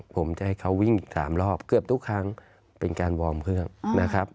ผมจะให้เขาวิ่ง๓รอบเกือบทุกครั้งเป็นการวอร์มเครื่องนะครับ